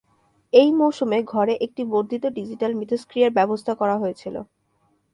এই মৌসুমে, ঘরে একটি বর্ধিত ডিজিটাল মিথস্ক্রিয়ার ব্যবস্থা করা হয়েছিল।